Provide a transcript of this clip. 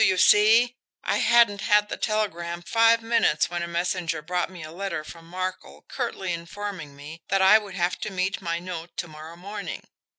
Do you see? I hadn't had the telegram five minutes, when a messenger brought me a letter from Markel curtly informing me that I would have to meet my note to morrow morning.